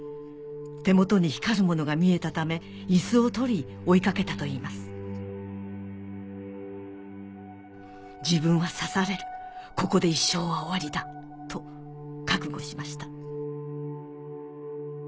「手元に光るものが見えたためイスを取り追い掛けた」といいます「自分は刺されるここで一生はおわりだと覚悟しました」